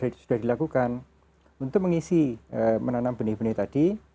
nah ini sebenarnya sudah dilakukan untuk mengisi menanam benih benih tadi